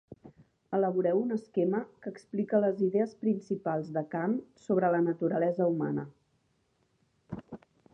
Elaboreu un esquema que explique les idees principals de Kant sobre la naturalesa humana.